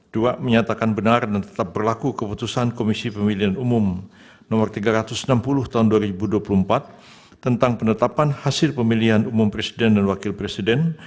dua menyatakan benar dan tetap berlaku keputusan komisi pemilihan umum no tiga ratus enam puluh tahun dua ribu dua puluh empat tentang penetapan hasil pemilihan umum presiden dan wakil presiden